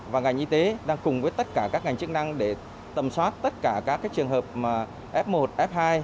và ngành y tế đang cùng với tất cả các ngành chức năng để tầm soát tất cả các trường hợp f một f hai